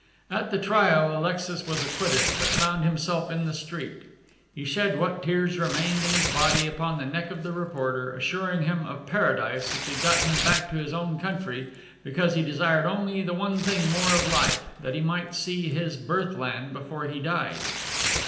At the trial Alexis was acquitted, but found himself in the street. He shed what tears remained in his body upon the neck of the reporter, assuring him of paradise if he got him back to his own country, because he desired only the one thing more of life, that he might see his birth land before he died.